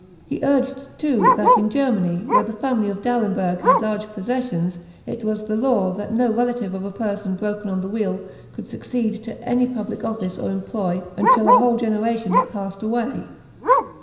He urged, too, that in Germany, where the family of D'Aremberg had large possessions, it was the law, that no relative of a person broken on the wheel could succeed to any public office or employ until a whole generation had passed away.